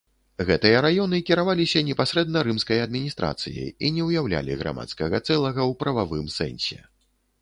Гэтыя раёны кіраваліся непасрэдна рымскай адміністрацыяй і не ўяўлялі грамадскага цэлага ў прававым сэнсе.